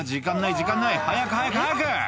時間ない早く早く早く！」